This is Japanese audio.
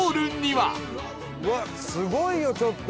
うわっすごいよちょっと！